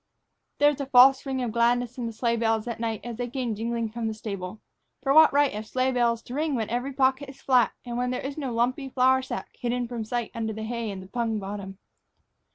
There was a false ring of gladness in the sleigh bells that night as they came jingling from the stable. For what right have sleigh bells to ring when every pocket is flat and when there is no lumpy flour sack hidden from sight under the hay in the pung bottom?